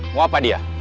mau apa dia